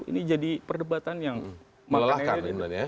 ini jadi perdebatan yang melalahkan